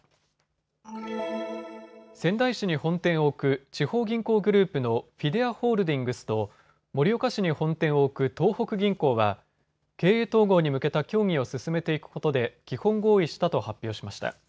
仙台市に本店を置く地方銀行グループのフィデアホールディングスと盛岡市に本店を置く東北銀行は経営統合に向けた協議を進めていくことで基本合意したと発表しました。